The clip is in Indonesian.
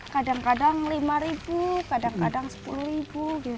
kadang kadang lima ribu kadang kadang sepuluh ribu